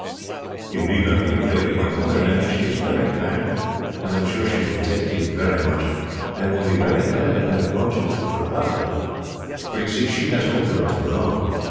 "You need not be afraid of my mother, Annie. She is very kind, and I am sure she will take to you very much, and will be very glad that I have brought you to Tripataly; for, you see, she has no girls of her own.